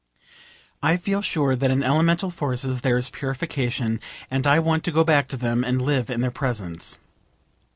I feel sure that in elemental forces there is purification, and I want to go back to them and live in their presence.